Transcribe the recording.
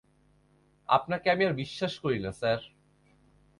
আপনাকে আমি বিশ্বাস করি না, স্যার।